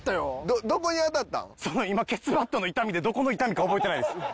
今ケツバットの痛みでどこの痛みか覚えてないです。